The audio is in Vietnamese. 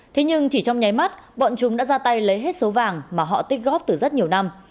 thế nhưng chỉ trong nháy mắt bọn chúng đã ra tay lấy hết số vàng mà họ tích góp từ rất nhiều năm